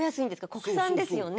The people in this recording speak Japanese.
国産ですよね？